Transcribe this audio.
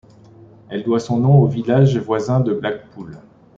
Elle doit son nom au village voisin de Blackpool.